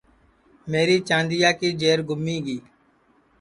میری چاندیا کی جیر گُمی گی